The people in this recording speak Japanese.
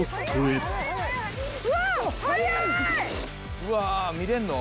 うわ見れんの？